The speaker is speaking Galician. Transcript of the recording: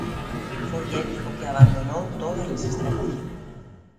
Foi el o que abandonou toda resistencia.